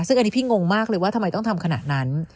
ซึ่งอันนี้พี่งงมากเลยว่าทำไมต้องทำขนาดนั้น